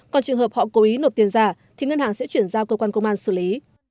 còn trường hợp họ cố ý nộp tiền giả thì ngân hàng sẽ chuyển giao cơ quan công an xử lý